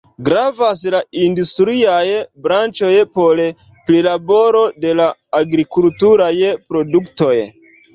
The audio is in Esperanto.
Gravas la industriaj branĉoj por prilaboro de la agrikulturaj produktoj.